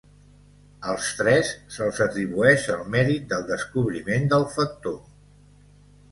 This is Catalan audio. Als tres se'ls atribueix el mèrit del descobriment del factor.